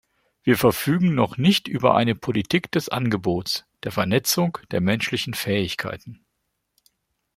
Wir verfügen noch nicht über eine Politik des Angebots, der Vernetzung, der menschlichen Fähigkeiten.